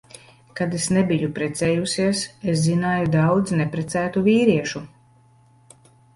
Kad es nebiju precējusies, es zināju daudz neprecētu vīriešu.